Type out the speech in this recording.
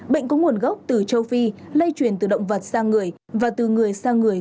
bệnh có nguồn gốc từ châu phi lây truyền từ động vật sang người và từ người sang người